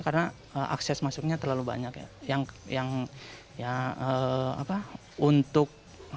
karena akses masuknya terlalu banyak